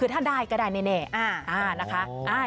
คือถ้าได้ก็ได้แน่นะคะ